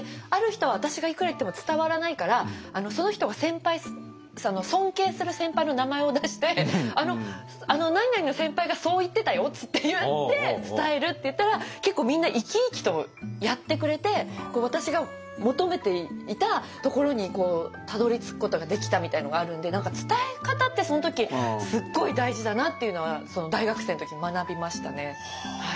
ある人は私がいくら言っても伝わらないからその人が尊敬する先輩の名前を出して「何々の先輩がそう言ってたよ」つって言って伝えるっていったら結構みんな生き生きとやってくれて私が求めていたところにたどりつくことができたみたいなのがあるんで何か伝え方ってその時すっごい大事だなっていうのは大学生の時に学びましたね。